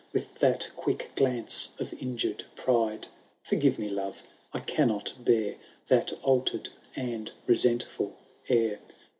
With that quick glance of injuied pride ? Foigive me, love, I cannot bear That altered and resentftU air.